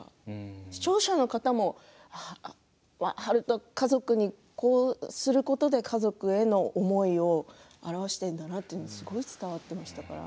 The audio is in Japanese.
視聴者の方も悠人、家族にこうすることで家族への思いを表しているんだなってすごい伝わっていきましたから。